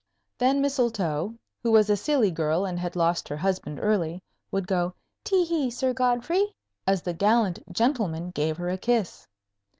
Then Mistletoe, who was a silly girl and had lost her husband early, would go "Tee hee, Sir Godfrey!" as the gallant gentleman gave her a kiss.